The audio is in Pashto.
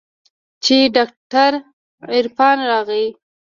چې ډاکتر عرفان راغى.